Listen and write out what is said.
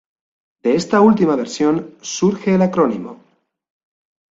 De esta última versión surge el acrónimo.